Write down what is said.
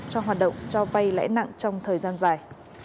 cho hoạt động cho vay lãi nặng trong thời gian dài